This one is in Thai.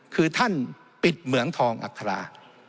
คือท่านปิดเหมืองทองอัครา